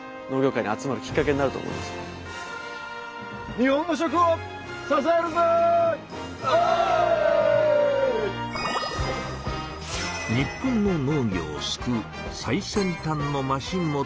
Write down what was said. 日本の農業を救う最先端のマシンも登場しました。